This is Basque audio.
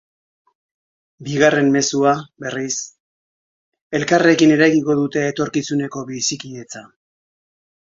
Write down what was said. Bigarren mezua, berriz, elkarrekin eraikiko dute etorkizuneko bizikidetza.